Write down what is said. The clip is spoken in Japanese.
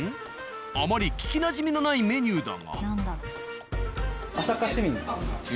あまり聞きなじみのないメニューだが。